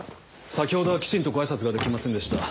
先ほどはきちんとご挨拶ができませんでした。